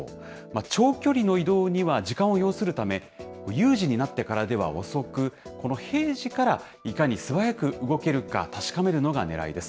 長距離の移動には時間を要するため、有事になってからでは遅く、この平時から、いかに素早く動けるか、確かめるのがねらいです。